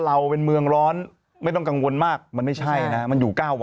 เราเป็นเมืองร้อนไม่ต้องกังวลมากมันไม่ใช่นะมันอยู่๙วัน